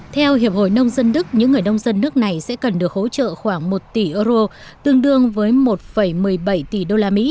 theo hiệp hội nông dân đức những người nông dân nước này sẽ cần được hỗ trợ khoảng một tỷ euro tương đương với một một mươi bảy tỷ usd